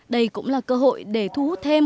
đây cũng là cơ hội để thu hút thêm